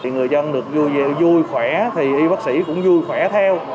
người dân được vui khỏe thì y bác sĩ cũng vui khỏe theo